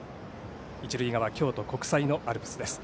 一塁側、京都国際のアルプスです。